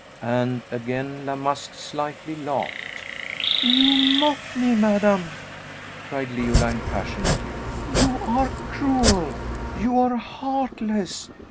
and again La Masque slightly laughed. "You mock me, madame!" cried Leoline, passionately. "You are cruel you are heartless!